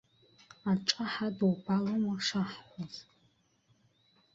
Аҿа ҳадубалома шаҳҳәоз.